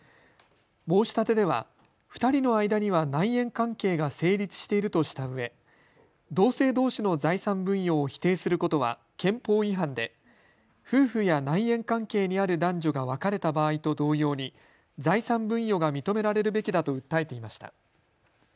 申し立てでは２人の間には内縁関係が成立しているとしたうえ同性どうしの財産分与を否定することは憲法違反で夫婦や内縁関係にある男女が別れた場合と同様に財産分与が認められるべきだと訴えていました。